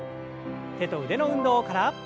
手と腕の運動から。